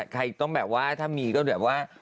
ใครต้องแบบว่าถ้ามีก็แบบว่า